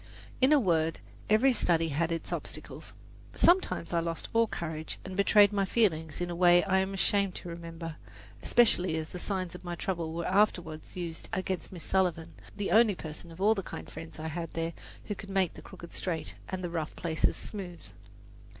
In a word, every study had its obstacles. Sometimes I lost all courage and betrayed my feelings in a way I am ashamed to remember, especially as the signs of my trouble were afterward used against Miss Sullivan, the only person of all the kind friends I had there, who could make the crooked straight and the rough places smooth.